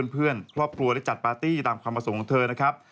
เพื่อนครอบครัวได้จัดปาร์ตี้ตามความประสงค์ของเธอนะครับ